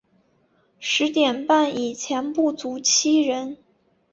十点半以前不足七人